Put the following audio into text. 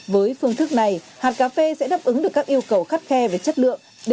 với phương thức này hạt cà phê sẽ đáp ứng được các yêu cầu khắt khe về chất lượng